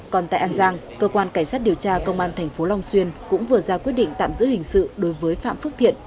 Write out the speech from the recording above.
còn tại an giang cơ quan cảnh sát điều tra công an tp long xuyên cũng vừa ra quyết định tạm giữ hình sự đối với phạm phước thiện